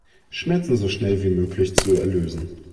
Schmerzen so schnell wie möglich zu erlösen.